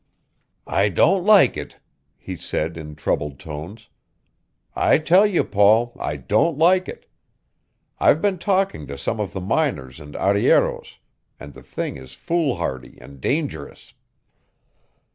"I don't like it," he said in troubled tones. "I tell you, Paul, I don't like it. I've been talking to some of the miners and arrieros, and the thing is foolhardy and dangerous."